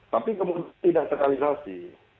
tapi kemudian tidak setanisasi